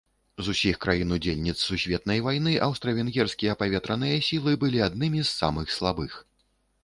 З усіх краін-удзельніц сусветнай вайны аўстра-венгерскія паветраныя сілы былі аднымі з самых слабых.